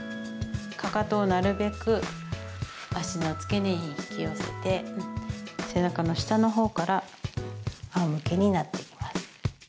かかとをなるべく足の付け根に引き寄せて背中の下のほうからあおむけになっていきます。